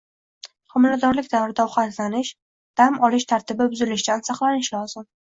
Homiladorlik davrida ovqatlanish, dam olish tartibi buzilishidan saqlanish lozim.